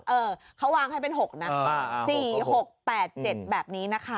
เออเขาวางให้เป็น๖นะ๔๖๘๗แบบนี้นะคะ